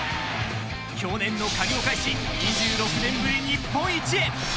去年の借りを返し２６年ぶり日本一へ。